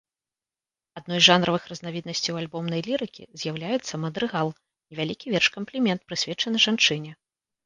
Адной з жанравых разнавіднасцей альбомнай лірыкі з'яўляецца мадрыгал, невялікі верш-камплімент, прысвечаны жанчыне.